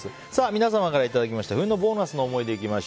皆様からいただいた冬のボーナスの思い出。